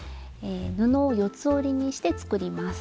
布を四つ折りにして作ります。